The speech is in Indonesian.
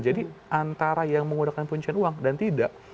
jadi antara yang menggunakan penyelidikan uang dan tidak